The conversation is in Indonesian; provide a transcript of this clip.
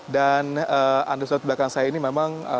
dan anda lihat belakang saya ini memang